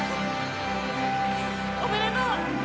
おめでとう！